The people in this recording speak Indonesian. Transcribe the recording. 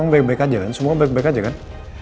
tapi semua baik baik aja kan